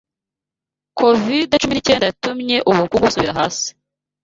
covid cumi n'icyenda yatumye ubukungu busubira hasi